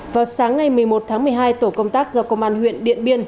vào sáng ngày một mươi một tháng một mươi hai tổ công tác do công an huyện điện biên